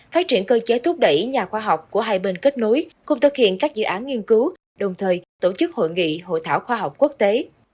phát triển cơ chế thúc đẩy nhà khoa học của hai bên kết nối cùng thực hiện các dự án nghiên cứu đồng thời tổ chức hội nghị hội thảo khoa học quốc tế